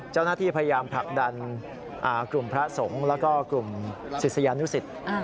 เจ้าหน้าที่พยายามผลักดันกลุ่มพระสงฆ์แล้วก็กลุ่มศิษยานุสิต